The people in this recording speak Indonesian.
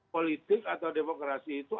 politik atau demokrasi itu